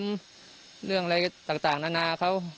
ที่ทำเรื่องอะไรต่างนานาเขา